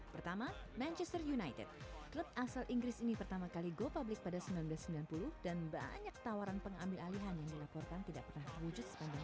pertama manchester united klub asal inggris ini pertama kali go public pada seribu sembilan ratus sembilan puluh dan banyak tawaran pengambil alihan yang dilaporkan tidak pernah terwujud sepanjang